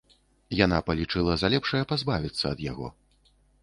Яна палічыла за лепшае пазбавіцца ад яго.